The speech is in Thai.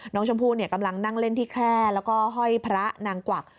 น้องชมพู่กำลังนั่งเล่นที่แคร่แล้วก็ห้อยพระนางกวัก